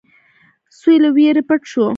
سوی له وېرې پټ شو.